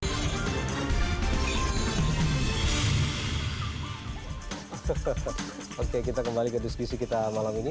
oke kita kembali ke diskusi kita malam ini